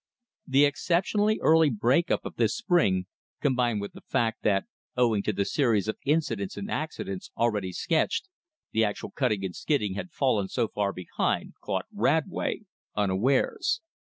The exceptionally early break up of this spring, combined with the fact that, owing to the series of incidents and accidents already sketched, the actual cutting and skidding had fallen so far behind, caught Radway unawares.